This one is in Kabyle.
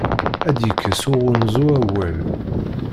Ad yekkes uɣunzu awal.